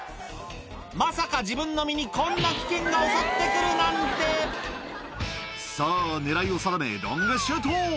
まさか自分の身にこんな危険が襲って来るなんてさぁ狙いを定めロングシュート！